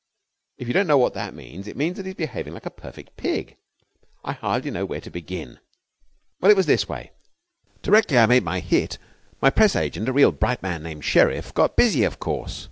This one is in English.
If you don't know what that means it means that he's behaving like a perfect pig. I hardly know where to begin. Well, it was this way: directly I made my hit my press agent, a real bright man named Sherriff, got busy, of course.